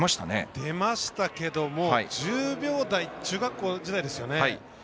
出ましたけども１０秒台中学校時代ですよね。